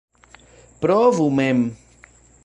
Provu mem!